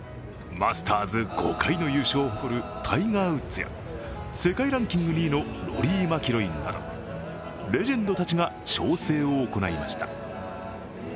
マスターズ５回の優勝を誇るタイガー・ウッズや世界ランキング２位のロリー・マキロイなどレジェンドたちが調整を行いました。